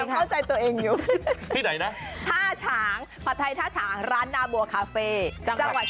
ก็ต้องพยายามเข้าใจเขาด้วย